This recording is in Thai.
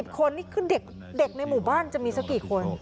คนนี่คือเด็กในหมู่บ้านจะมีสักกี่คน